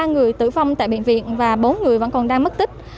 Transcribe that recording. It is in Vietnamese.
một mươi ba người tử vong tại biện viện và bốn người vẫn còn đang mất tích